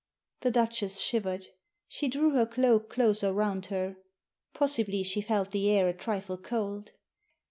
The Duchess shivered. She drew her cloak closer round her. Possibly she felt the air a trifle cold.